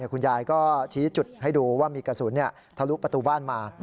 คุณยายก็ชี้จุดให้ดูว่ามีกระสุนทะลุประตูบ้านมา